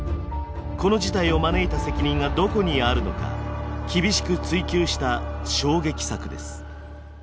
この事態を招いた責任がどこにあるのか厳しく追及した衝撃作です。